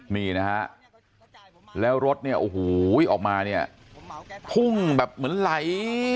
นี่นะฮะแล้วรถเนี่ยโอ้โหออกมาเนี่ยพุ่งแบบเหมือนไหล